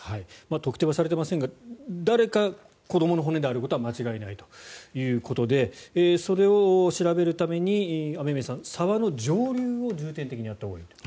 特定はされていませんが誰か子どもの骨であることは間違いないということでそれを調べるために雨宮さん、沢の上流を重点的にやったほうがいいと。